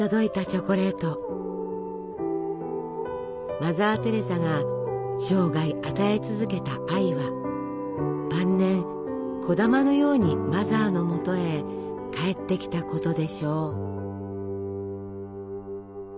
マザー・テレサが生涯与え続けた愛は晩年こだまのようにマザーのもとへ返ってきたことでしょう。